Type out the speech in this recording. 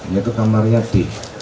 yaitu kamarnya d